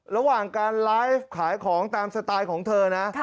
ระหว่างการไลฟ์ขายของตามสไตล์ของเธอนะ